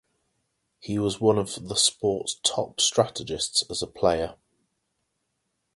He was one of the sport's top strategists as a player.